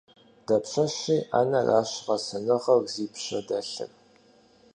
Дапщэщи анэращ гъэсэныгъэр зи пщэ дэлъыр.